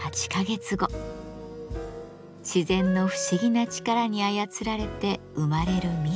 自然の不思議な力に操られて生まれる味噌。